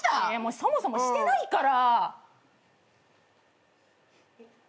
そもそもしてないから。